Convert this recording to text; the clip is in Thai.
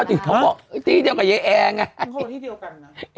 ก็ถึงเขาบอกที่เดียวกับเย้แอร์ไงเขาก็บอกที่เดียวกันอ่ะ